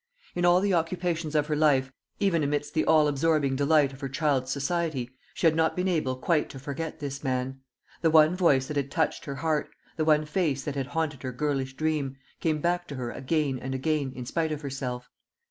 In all the occupations of her life, even amidst the all absorbing delight of her child's society, she had not been able quite to forget this man. The one voice that had touched her heart, the one face that had haunted her girlish dream, came back to her again and again in spite of herself.